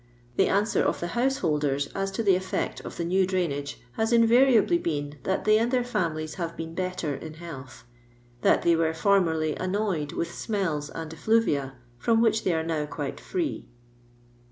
'The answer of the householders as to the effect of the new drainage has invariably been that they and their fiunilies have been better in hedth; that they were formeriy annoyed with snelU and effluvia, firom which they are now qmte free.